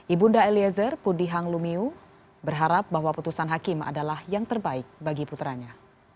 ibu nda eliezer pudihang lumiu berharap bahwa putusan hakim adalah yang terbaik bagi puteranya